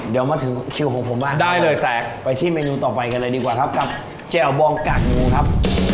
เดี๋ยวมาถึงคิวของผมมาได้เลยแสกไปที่เมนูต่อไปกันเลยดีกว่าครับกับแจ่วบองกากหมูครับ